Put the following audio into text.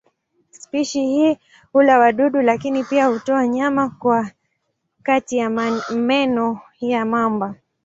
Spishi hii hula wadudu lakini pia hutoa nyama kwa kati ya meno ya mamba.